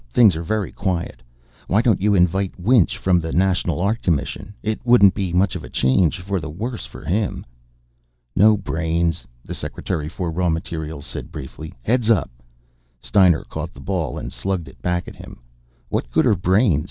Things are very quiet. Why don't you invite Winch, from the National Art Commission? It wouldn't be much of a change for the worse for him." "No brains," the Secretary for Raw Materials said briefly. "Heads up!" Steiner caught the ball and slugged it back at him. "What good are brains?"